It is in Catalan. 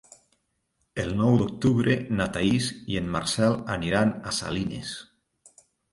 El nou d'octubre na Thaís i en Marcel aniran a Salines.